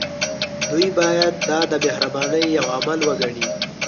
دوی باید دا د مهربانۍ يو عمل وګڼي.